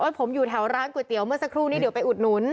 ผมอยู่แถวร้านก๋วยเตี๋ยวเมื่อสักครู่นี้เดี๋ยวไปอุดหนุน